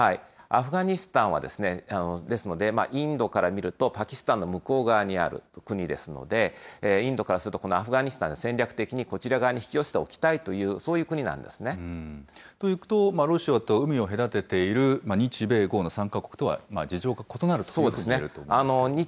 アフガニスタンはですので、インドから見ると、パキスタンの向こう側にある国ですので、インドからすると、このアフガニスタン、戦略的にこちら側に引き寄せておきたいという、そういう国なんですね。というと、ロシアと海を隔てている日米豪の３か国とは事情が異なるということがいえると思います。